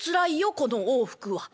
この往復は。